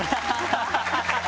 ハハハハ！